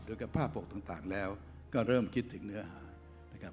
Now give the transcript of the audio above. หรือกับภาพบกต่างแล้วก็เริ่มคิดถึงเนื้อหา